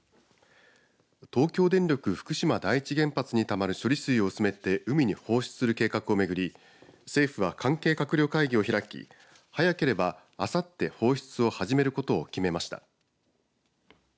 東京電力福島第一原発にたまる処理水を薄めて海に放出する計画をめぐり政府は関係閣僚会議を開き早ければあさって放出を始めることを決めました。